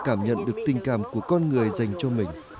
nó có khả năng cảm nhận được tình cảm của con người dành cho mình